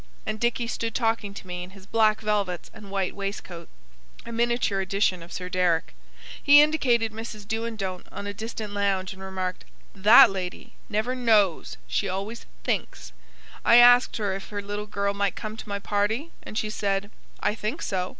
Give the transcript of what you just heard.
And Dicky stood talking to me, in his black velvets and white waistcoat, a miniature edition of Sir Deryck. He indicated Mrs. Do and don't on a distant lounge, and remarked: 'THAT lady never KNOWS; she always THINKS. I asked her if her little girl might come to my party, and she said: "I think so."